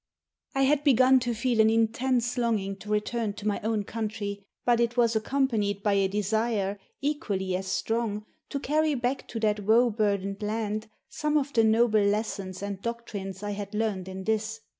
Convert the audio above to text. I had begun to feel an intense longing to return to my own country, but it was accompanied by a desire, equally as strong, to carry back to that woe burdened land some of the noble lessons and doctrines I had learned in this.